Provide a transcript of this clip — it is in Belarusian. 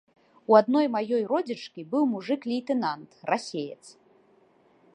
У адной маёй родзічкі быў мужык лейтэнант, расеец.